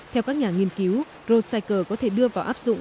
theo các nhà nghiên cứu rosecycle có thể đưa vào áp dụng